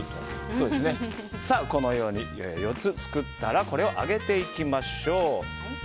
このように４つ作ったらこれを揚げていきましょう。